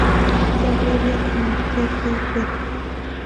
Se abrevia como "ppb".